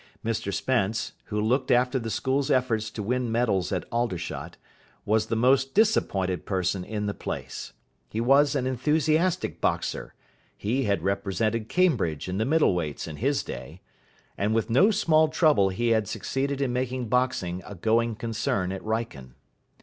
Mr Spence, who looked after the school's efforts to win medals at Aldershot, was the most disappointed person in the place. He was an enthusiastic boxer he had represented Cambridge in the Middle Weights in his day and with no small trouble had succeeded in making boxing a going concern at Wrykyn.